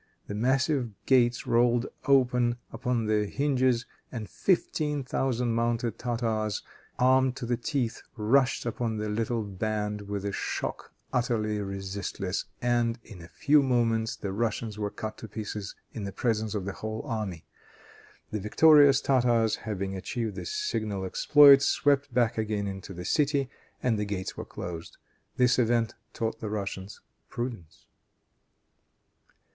The massive gates rolled open upon their hinges, and fifteen thousand mounted Tartars, armed to the teeth, rushed upon the little band with a shock utterly resistless, and, in a few moments, the Russians were cut to pieces in the presence of the whole army. The victorious Tartars, having achieved this signal exploit, swept back again into the city and the gates were closed. This event taught the Russians prudence.